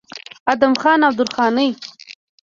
ادم خان او درخانۍ